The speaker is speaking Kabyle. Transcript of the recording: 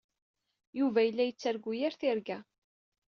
Yuba yella yettargu yir tirga.